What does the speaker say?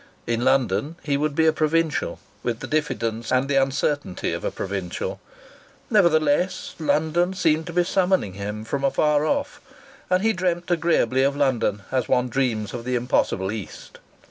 In London he would be a provincial, with the diffidence and the uncertainty of a provincial. Nevertheless, London seemed to be summoning him from afar off, and he dreamt agreeably of London as one dreams of the impossible East.